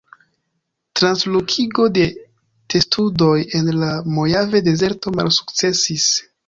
Translokigo de testudoj en la Mojave-Dezerto malsukcesis.